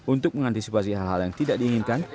untuk mengantisipasi hal hal yang tidak diinginkan